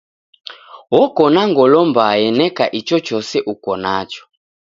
Oko na ngolo mbaa eneka ichochose uko nacho.